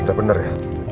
udah bener ya